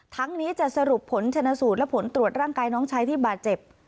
ทั้งนี้จะสรุปผลชนสูตรและผลตรวจร่างกายน้องชายที่บาดเจ็บ